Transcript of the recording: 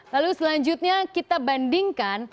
lalu selanjutnya kita bandingkan